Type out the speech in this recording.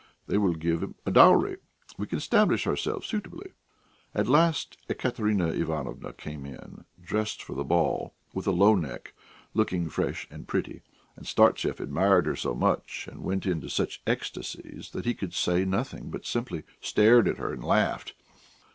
They will give a dowry; we can establish ourselves suitably." At last Ekaterina Ivanovna came in, dressed for the ball, with a low neck, looking fresh and pretty; and Startsev admired her so much, and went into such ecstasies, that he could say nothing, but simply stared at her and laughed.